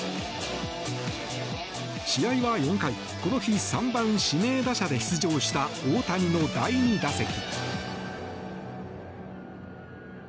試合は４回この日３番指名打者で出場した大谷の第２打席。